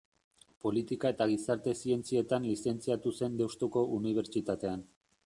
Politika eta Gizarte Zientzietan lizentziatu zen Deustuko Unibertsitatean.